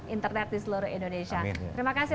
internet di seluruh indonesia terima kasih